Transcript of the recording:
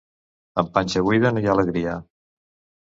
Amb panxa buida, no hi ha alegria.